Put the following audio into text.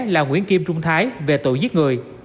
là nguyễn kim trung thái về tội giết người